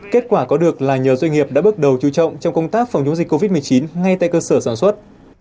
kết quả có được là nhiều doanh nghiệp đã bước đầu chú trọng trong công tác phòng chống dịch covid một mươi chín ngay tại cơ sở sản xuất